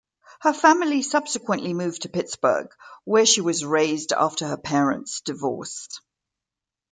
Her family subsequently moved to Pittsburgh, where she was raised after her parents' divorce.